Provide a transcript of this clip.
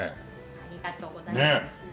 ありがとうございます。